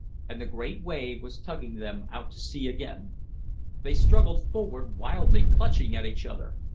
And the great wave was tugging them out to sea again. They struggled forward wildly, clutching at each other.